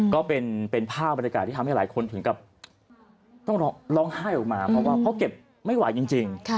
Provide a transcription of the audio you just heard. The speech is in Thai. ก็เป็นภาพบรรยากาศที่ทำให้หลายคนถึงกับต้องร้องไห้ออกมาเพราะว่าเพราะเก็บไม่ไหวจริง